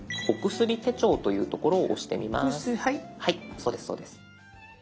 そうですそうです。